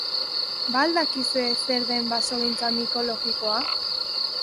Ba al dakizue zer den basogintza mikologikoa?